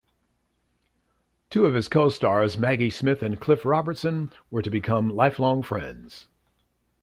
Two of his co-stars, Maggie Smith and Cliff Robertson, were to become lifelong friends.